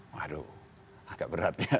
waduh agak berat ya